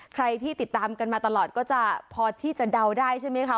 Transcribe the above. ใครที่ติดตามกันมาตลอดก็จะพอที่จะเดาได้ใช่ไหมคะ